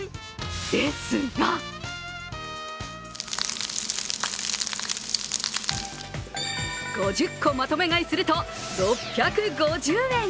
ですが５０個まとめ買いすると６５０円。